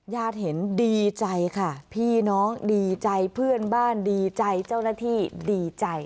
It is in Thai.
ญาติเห็นดีใจค่ะพี่น้องดีใจเพื่อนบ้านดีใจเจ้าหน้าที่ดีใจ